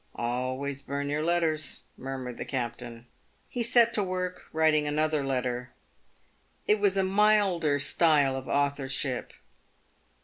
"Always burn your letters," murmured the captain. He set to work writing another letter. It was a milder style of authorship.